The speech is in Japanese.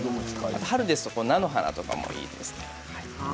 春ですと菜の花なんかもいいですね。